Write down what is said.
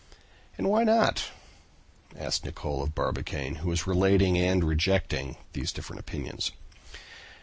"And why not?" asked Nicholl of Barbicane, who was relating and rejecting these different opinions.